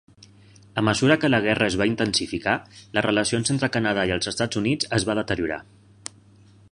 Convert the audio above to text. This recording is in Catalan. A mesura que la guerra es va intensificar, les relacions entre Canadà i els Estats Units es va deteriorar.